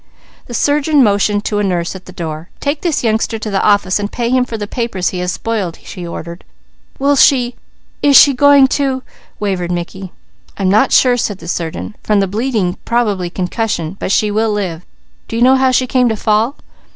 The surgeon motioned to a nurse at the door. "Take this youngster to the office and pay him for the papers he has spoiled," he ordered. "Will she is she going to ?" wavered Mickey. "I'm not sure," said the surgeon. "From the bleeding probably concussion; but she will live. Do you know how she came to fall?"